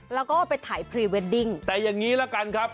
แล้วก็ไปถ่ายพรีเวดดิ้งแต่อย่างนี้ละกันครับ